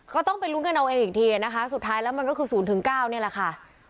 ก็ต้องไปลุ้นกันเอาเองอีกทีนะคะสุดท้ายแล้วมันก็คือ๐๙นี่แหละค่ะ